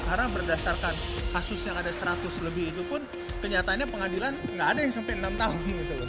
karena berdasarkan kasus yang ada seratus lebih itu pun kenyataannya pengadilan nggak ada yang sampai enam tahun